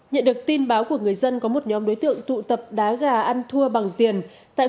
nhận được tin báo của người dân có một nhóm đối tượng tụ tập đá gà ăn thua bằng tiền tại